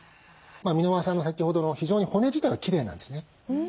箕輪さんの先ほどの非常に骨自体はきれいなんですね。